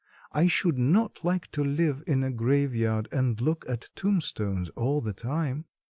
I should not like to live in a graveyard and look at tombstones all the time."